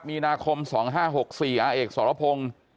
มีนาคม๒๕๖๔อาเอกสรพงศ์